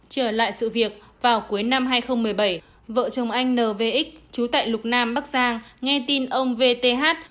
trở lại sự việc vào cuối năm hai nghìn một mươi bảy vợ chồng anh n v x chú tại lục nam bắc giang nghe tin ông v t h